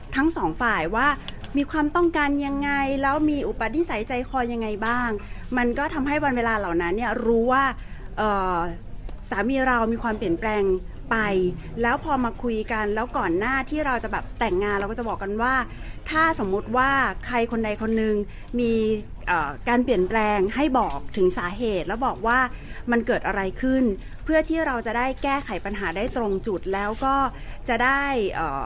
ทั้งสองฝ่ายว่ามีความต้องการยังไงแล้วมีอุปนิสัยใจคอยังไงบ้างมันก็ทำให้วันเวลาเหล่านั้นเนี่ยรู้ว่าเอ่อสามีเรามีความเปลี่ยนแปลงไปแล้วพอมาคุยกันแล้วก่อนหน้าที่เราจะแบบแต่งงานเราก็จะบอกกันว่าถ้าสมมุติว่าใครคนใดคนหนึ่งมีการเปลี่ยนแปลงให้บอกถึงสาเหตุแล้วบอกว่ามันเกิดอะไรขึ้นเพื่อที่เราจะได้แก้ไขปัญหาได้ตรงจุดแล้วก็จะได้เอ่อ